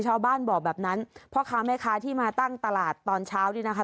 ชาวบ้านบอกแบบนั้นพ่อค้าแม่ค้าที่มาตั้งตลาดตอนเช้านี่นะคะ